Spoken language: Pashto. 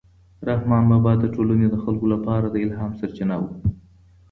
رحمان بابا د ټولنې د خلکو لپاره د الهام سرچینه و.